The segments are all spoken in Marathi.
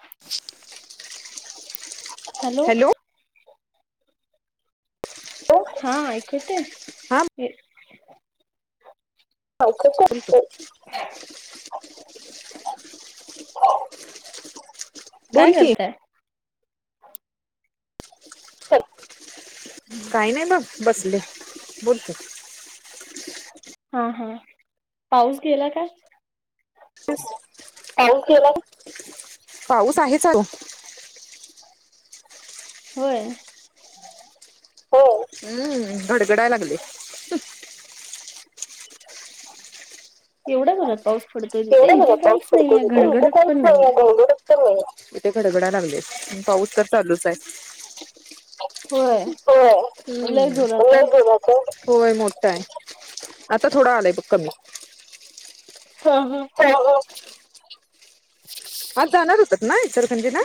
[inaudible] हॅलो. हा ऐकू येतय? हा ये हो का कॉल कर. [inaudible] [inaudible] काय बोल की करताय? काही नाही. बघ बसले. बोल तु. हा हा पाऊस गेला काय? पाऊस गेला का? पाऊस आहे चालू. होय. हो हम्म गडगडाय लागले. एवढा जोरात पाऊस पडतोय तिथे केवढा बघा इथे पाऊस काहीच पडतो नाहीय तिथे इथे घडघडत काहीच पण नाहीय. नाही गडगडच इथे गडगडा लागले पाऊस तर चालूच ये.. होय हो् लय हम्म जोरात आहे. [unintelligible] होय मोठाय. आता थोडा आलाय बघ कमी. हा हा. [unintelligible] आज जाणार होतात ना इचलकरंजीला.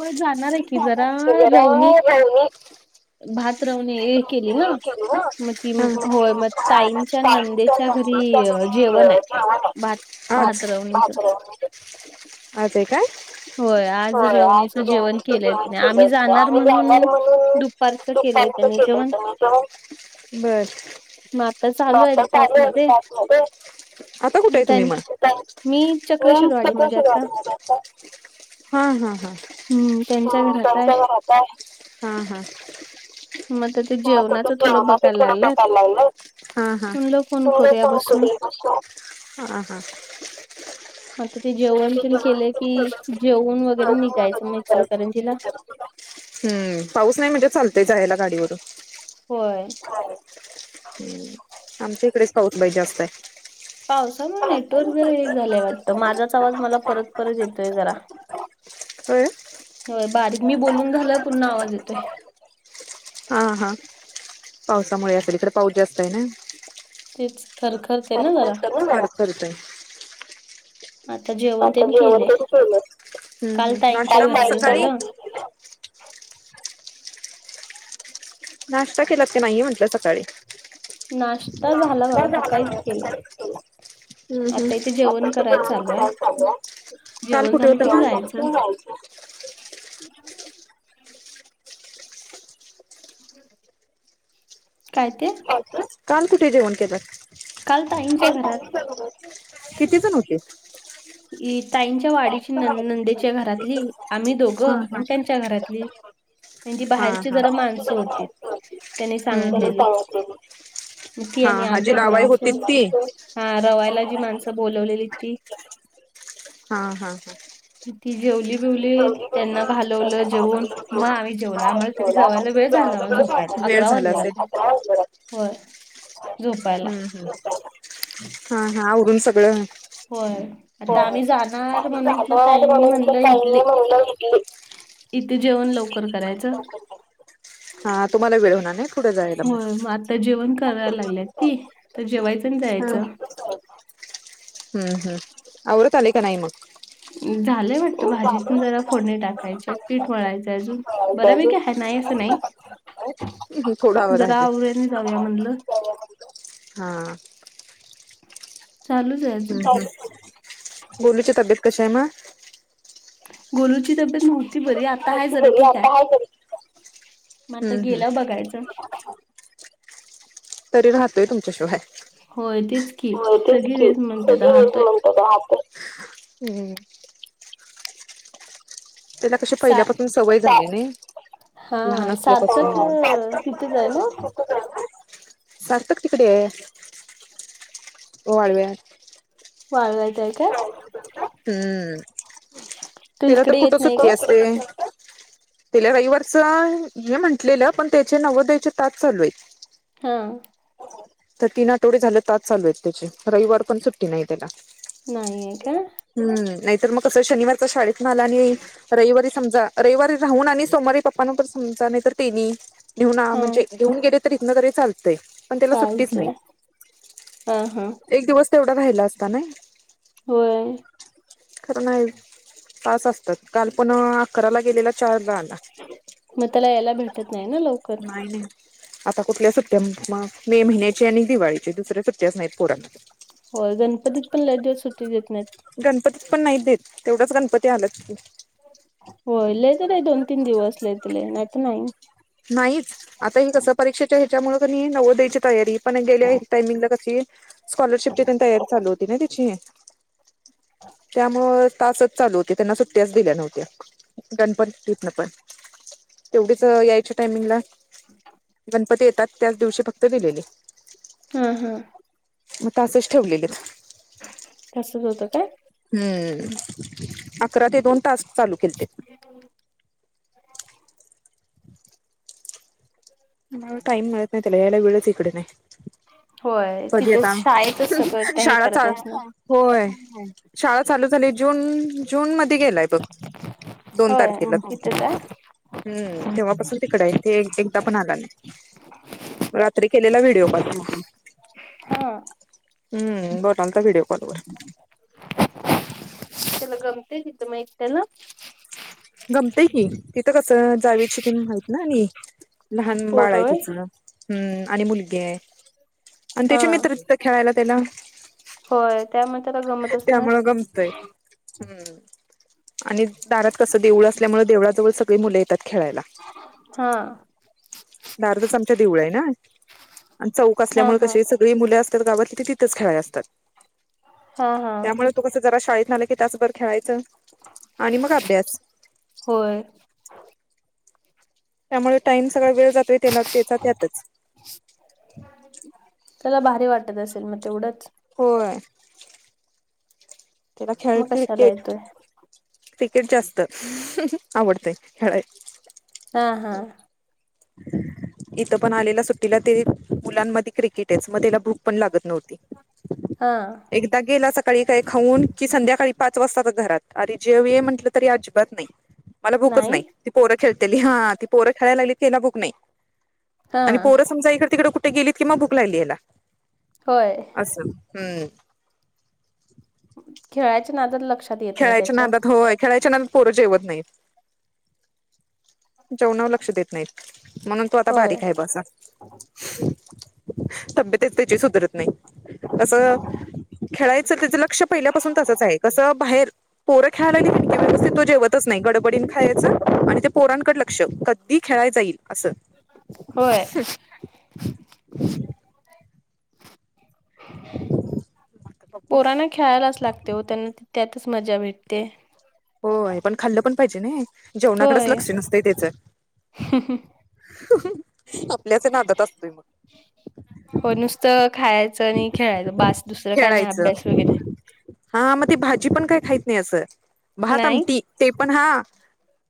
होय जाणाराय की जरा जरा रवनी. राहिली भात रवने आज केली ना. आहे होय मगं ताई नी. [inaudible] आज आहे. भात भात रवणीच आहे काय? होय आज रवणी. [unintelligible] [unintelligible] बर. म्हणून दुपारचं केलंय त्यांनी जेवण [unintelligible] मग आता चालू आहे तिथं आतमध्ये आता कुठे मग आहे त्यां तुम्ही मगं? मी चक्रेश्वरवाडीमध्ये आता [unintelligible] हा हा हा. हम्म त्यांच्या घरात आहे हाहा [unintelligible] [unintelligible] मग आता ते जेवणाचं थोडं बघायला लागलेत म्हणलं फोन करूया बसून हा हा आता ते जेवण पण केलं कि जेऊन वगैरे निघायचं मग इचलकरंजीला. हम्म पाऊस नाय म्हणजे चालतंय जायला गाडीवरून. होय. आमच्या इकडेच पाऊस लई जास्तय. पावसामुळे नेटवर्क जरा हे झालंय वाटतं माझाच आवाज मला परत परत येतोय जरा. होय. होय बारीक मी बोलून झाल्यावर पुन्हा आवाज येतोय. हा हा पावसामुळे असेल इकडे पाऊस जास्तय ना. तेच खरखरते ना जरा. करतोय. आता जेवण आता तेन जेवण केले तेन केलं. हम्म काल हम्म ताईंच्या नाश्ता मग घरचं सकाळी झालं नाष्टा केलात का नाही म्हटलं सकाळी नाश्ता झाला बघा नाष्टा झाला सकाळीच माझा केला सकाळीच केला हू आता इथे जेवण करायला चालू आहे हू काल जेवण कुठे झालं कि मग जायचं होता [unintelligible] काय ते काय ते काल कुठे जेवण केलंत काल ताईंच्या काल घरात ताईंच्या घरी किती जण होते ही ताईंच्या वाडीची न नंदेच्या घरातली आम्ही हा हा हा दोघं हा. आणि त्यांच्या घरातली त्यांची बाहेरची जरा माणसं होती त्यांनी हम्म सांगितलेली हम्म. मुकी हा आणि हा जी आलतीत लावाई होती माणसं ती हा रवायला जी माणसं बोलवलेली ती हा हा हा ती जेवली बिवली त्यांना घालवलं जेवून मग आम्ही जेवला मग तरी जेवायला वेळ झाला मग झोपायला वेळ आकरा वाजले रात्री होय झोपायला हू हू हा हा आवरून सगळ होय आता बर आम्ही जाणार ते म्हणून झाल मग ताईंनी आता म्हणलं टाईम इथले आहे म्हटल्यावर किती इथे जेवण लवकर करायचं हा तुम्हाला वेळ होणार नई होय म आता जेवण कराय लागल्यात ती आता जेवायचं आणि जायाचं हू हू आवरत आलय का नाही मग झालंय वाटत भाजी जरा फोडणी टाकायचीय पीठ मळायचय अजून बऱ्यापैकी आहे नाही असं नाही थोडं आवर जरा राहिले आवरूया आणि जाऊया म्हणलं [inaudible] हा चालूच आहे हू अजून हू गोलूची तब्येत कशीय म गोलूची तब्येत नव्हती बरी आता आता हाय ती जरा बरी ठीक हाय आता बरी म आता हम्म हम्म गेल्यावर बघायचं तरी राहतोय तुमच्याशिवाय होय तेच की होय सगळी की तेच म्हणतात सगळी हेच राहतोय म्हणतात राहतोय हू त्याला कशी सा पहिल्यापासून सवय झाली नई लहान हा असल्यापासून सार्थक हो अं, तिथेच आहे ना सार्थक तिकडेये वाळव्या वाळव्या [unintelligible] हू तू त्याला तर इकडे कुठं येत नाही का सुट्टी असते तिला रविवारच ये म्हंटलेलं पण त्याचे नवोदयचे तास चालूय ह तर तीन आठवडे झाले तास चालू आहेत त्याचे रविवार पण सुट्टी नाही त्याला नाही आहे का नाही तर मग कस शनिवारच शाळेतन आलानी रविवारी समजा रविवारी राहून आणि सोमवारी पप्पा नई तर समजा नई तेनी घेऊन हा म्हणजे घेऊन गेले तरी इथन जरी चालतय पण त्याला सुट्टीच नाही चालतय हा हा एक दिवस तेवढ राहिला असता नई होय नाही तास असतात काल पण करायला गेलेला चार दांडा... मग त्याला यायला भेटत नाही ना लवकर नाही.. नाही.. आता कुठला सुट्ट्या मग.. मे महिन्याचे आणि दिवाळीचे दुसरा सुट्ट्या नाही पुढ. हो.. गणपती पण लय दिवस सुट्टी देत नाही. गणपती पण नाही देत, तेवढच गणपती आलाच की होय.. लय झाले दोन- तीन दिवस लई झाले, नाही तर नाही. नाहीच.. आता हे कसं परीक्षेच्या ह्याच्यामुळ कनय नवोद्यायची तयारी पण गेल्या टाइमिंगला कशी स्कॉलरशिपची पण तयारी चालू होती ना तिची. त्यामुळं तासच चालू होते, त्यांना सुट्ट्याच दिल्या नव्हत्या गणपतीतन पण. तेवढीच यायच्या टायमिंगला, गणपती येतात त्याच दिवशी फक्त दिलेली. हम्म.. हम्म.. मग तासच ठेवलेलेत. तासच होत काय? हम्म.. अकरा ते दोन तास चालू केल ते. टाईम मिळत नाही यायला वेळच इकडे नाही. होय कधी तिथेच येता? शाळेतच ह्... सगळं त्या हे शाळा करत चा.. बसणार. होय. शाळा चालू झाली, जून... जून मध्ये गेलाय बघ. दोन होय तारखेला. तिथेच आहे. हम्म.. तेव्हापासून तिकड आहे ते एकदा पण आला नाही, रात्री केलेला वे देव पाल हा हम्.. बोटालता व्हिडिओ कॉल वर त्याला गमते तिथ मग एकट्याला? गमतय कि, तिथं कसं जावीची तीन हाईत ना आणि लहान बाळ पोर आहे होय तिच हम्म.. आणि मुलगी आहे आणि त्याचे हा. मित्र तिथं खेळायला त्याला होय, त्या म्हणतात ग.. मतस नाय. त्यामुळं गमतय हम्म.. आणि दारात कस देऊळ असल्यामुळे देवळाजवळ सगळी मुलं येतात खेळायला. हा दारातच आमच्या देऊळ आहे ना आणि चौक हा असल्यामुळे कशें हा सगळे सगळी मुल असतात गावातली तिथच खेळा असतात, हा हा. त्यामुळे तो कस जरा शाळेत आला की तासभर खेळायचं आणि मग अभ्यास होय त्यामुळे टाइम सगळा वेळ जातोय त्याला त्याचा त्यातच त्याला भारी वाटत असेल मग तेवढंच होय त्याला खेळ मग कशाला क्रिकेट, येतोय क्रिकेट जास्त.. ह्.. आवडतंय खेळाय हा.. हा.. इथं पण आलेला सुट्टीला ते मुलांमध्ये क्रिकेटच मग त्याला भू पण लागत नव्हती. हा एकदा गेला सकाळी काही खाऊन की संध्याकाळी पाच वाजताच घरात, अरे.. जेव ये म्हटलं आजिबा नई मला भूकच नाही ती पोरं खेळतेली, हा.. ती पोरं खेळायला लागली त्याला भूक नाही. हा आणि पोरं समजा इकडे- तिकडे कुठे गेलीत कि मग भुक लागली ह्याला. होय असं हम्म. खेळायच्या नादात लक्ष खेळायच्या नादात होय, खेळायच्या नादात पोरं जेवत नाहीत, जेवणावर लक्ष देत नाहीत. म्हणून तो आता होय बारीक आहे ब असा. तब्येतच त्याची सुधरत नाही. असं खेळायचं त्यांचं लक्ष पहिल्यापासून तसंच आहे. कसं बाहेर पोरं खेळायला गेली की व्यवस्थित तो जेवतच नाही. गडबडीनं खायचं आणि ते पोरांकड लक्ष कधी खेळाय जाईल असं. होय बघू पोरांना खेळायलाच लागते हो त्यांना त्यातच मजा भेटते. होय पण खाल्लं पण पाहिजे नाही, जेवणाकडेच होय लक्ष नसतंय त्याचं. आपल्याच नादात असतोय मग. होय नुसतं खायाचं आणि खेळायचं, बास दुसरं काय नाही अभ्यास वगैरे. हां मग ते भाजी पण काय खायत नाही असं, भात नाही आमटी ते पण हा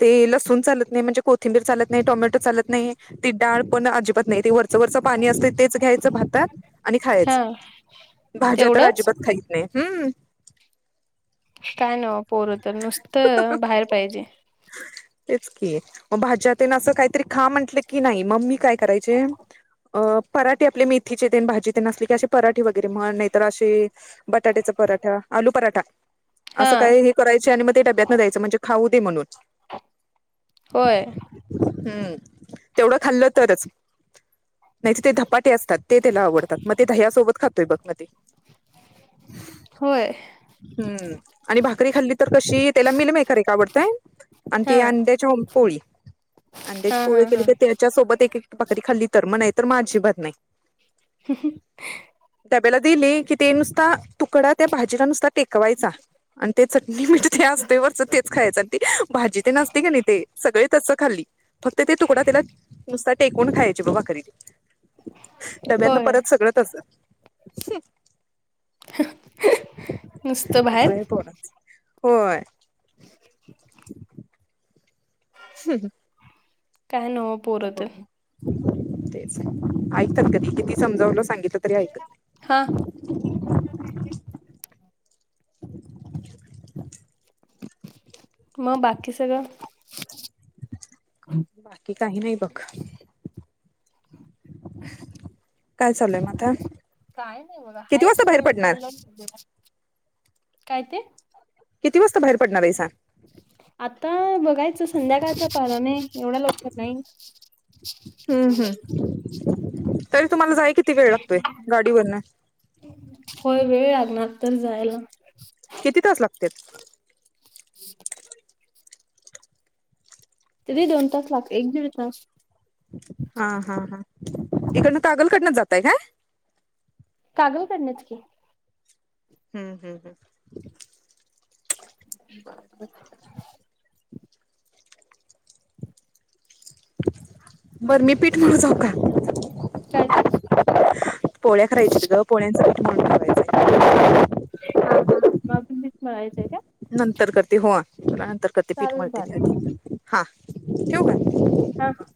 ते लसून चालत नाही, म्हणजे कोथिंबीर चालत नाही, टोमॅटो चालत नाही. ती डाळ पण अजिबात नाही, ते वरचं वरचं पाणी असतंय तेच घ्यायचं भातात आणि हा खायाचं. भाज्या तर तेवढंच अजिबात खाईत नाही हम्म. काय नव्हं पोरं तर नुसतं बाहेर पाहिजे. तेच की, म भाज्या तेनं असं काहीतरी खा म्हंटलं की नाही. म मी काय करायचे अ पराठे आपले मेथीचे तेन भाजी तेन असली की असे पराठे वगैरे म्हण. नाहीतर अशे बटाट्याचा पराठा, आलू पराठा हा असं काही चे आणि मग ते डब्यातनं द्यायचं म्हणजे खाऊ दे म्हणून. होय हम्म, तेवढं खाल्लं तरच. नाहीतर ते धपाटे असतात, ते त्याला आवडतात. मग ते दह्यासोबत खातोय बघ ना ते. होय हम्म आणि भाक करी खाल्ली तर कशी त्याला मिलमेकर एक आवडतंय आणि हा ती अंड्याच्या पोळी. हा अंड्याची हा पोळी केली हा तर त्याच्या सोबत एक एक भाकरी खाल्ली तर, मग नाही तर मग अजिबात नाही. [unintelligible] डब्याला दिली, की ते नुसता तुकडा त्या भाजीला नुसता टेकवायचा आणि ते चटणी मीठ ते असते वरचं तेच खाया साठी भाजी तें असते का नाही ते सगळे तसं खाल्ली. फक्त ते तुकडा त्याला नुसता टेकवून खायची बघ भाकरी. डब्यातन होय परत सगळं तसं. नुसतं बाहेर. [unintelligible] होय. [unintelligible] काय नव्हं. आता बघू. तेच ऐक तर कधी किती समजावलं सांगितलं तरी ऐकत नाही. हां. मग बाकी सगळं? बाकी काही नाही बघ. काय चाललंय म आता? काय नाही बघा, किती हाय वाजता बाहेर तवर पडणार फोन लावून [unintelligible] काय ते? किती वाजता बाहेर पडणार आहेसा? आता बघायचं संध्याकाळचं पाहणार नाही, एवढ्या लवकर नाही. हम्म हम्म. तरी तुम्हाला जाय किती वेळ लागतोय? गाडीवरना. होय. वेळ लागणार, तर जायला. किती तास लागत्यात? हम् तरी दोन तास लागतात. एक दीड तास. हा हा हा, इकडनं कागलकडणच जातय काय? कागल कडणंच की. हम्म हम्म हम् बर. हं बर, मी पीठ मळू जाऊ का? काय ते? पोळ्या करायच्या आहेत ग. पोळ्यांचं पीठ मळून ठेवायचंय. हा हा मग अजून पीठ मळायच आहे काय? नंतर कर ते हो, तूला नंतर करते, पीठ चालेल मळते चालेल आता. हा, ठेऊ का? हां हा.